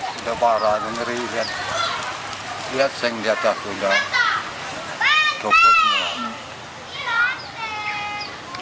sudah parah mengerikan lihat yang di atas sudah